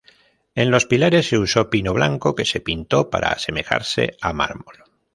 En los pilares, se usó pino blanco que se pintó para asemejarse a mármol.